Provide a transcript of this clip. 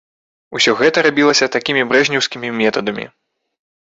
Усё гэта рабілася такімі брэжнеўскімі метадамі.